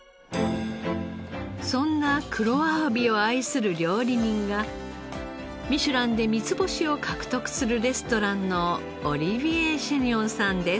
そんな黒あわびを愛する料理人がミシュランで三つ星を獲得するレストランのオリヴィエ・シェニョンさんです。